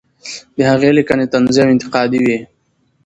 د هغې لیکنې طنزي او انتقادي وې.